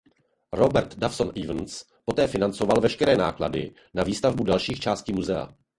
Robert Dawson Evans poté financoval veškeré náklady na výstavbu dalších částí muzea.